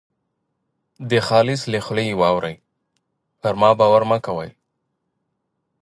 د خالص له خولې یې واورۍ پر ما باور مه کوئ.